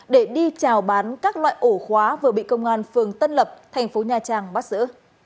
để đi trào bán các loại ổ khóa vừa bị công an phường tân lập thành phố nha trang bắt giữ